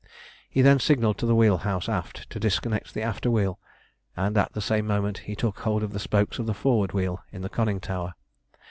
Then he signalled to the wheel house aft to disconnect the after wheel, and at the same moment he took hold of the spokes of the forward wheel in the conning tower.